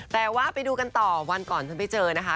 แต่ว่าไปดูกันต่อวันก่อนฉันไปเจอนะคะ